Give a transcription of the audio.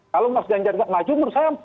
kalau mas ganjar gak maju menurut saya